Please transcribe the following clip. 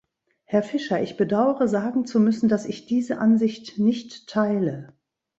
Herr Fischer, ich bedauere sagen zu müssen, dass ich diese Ansicht nicht teile.